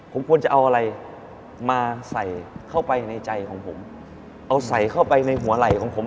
ผมควรจะเอาอะไรมาใส่เข้าไปในใจของผมเอาใส่เข้าไปในหัวไหล่ของผม